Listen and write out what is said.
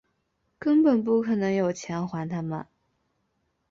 根本不可能有钱还他们